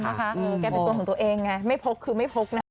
แกเป็นตัวของตัวเองไงไม่พกคือไม่พกนะคะ